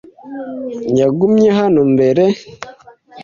Yagumye hano mbere?